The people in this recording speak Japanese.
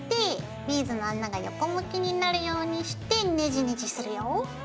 ビーズの穴が横向きになるようにしてネジネジするよ。